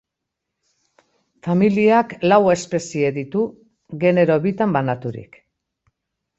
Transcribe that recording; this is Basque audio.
Familiak lau espezie ditu, genero bitan banaturik.